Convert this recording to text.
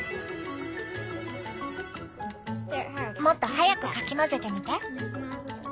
もっと速くかき混ぜてみて。